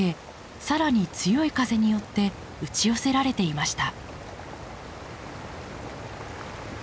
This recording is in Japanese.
更に強い風によって打ち寄せられていました。